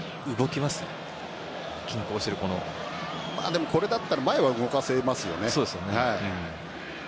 でも、これなら前は動かせますよね。